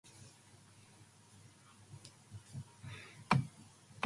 Casualties included the tankers "Coimbria" off Sandy Hook and "Norness" off Long Island.